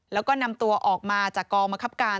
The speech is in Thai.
แล้วก็นำตัวออกมาจากกองบังคับการ